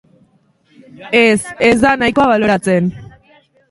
Ez, ez da nahikoa baloratzen.